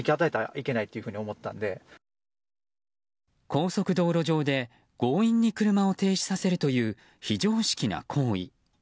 高速道路上で強引に車を停止させるという非常識な行為。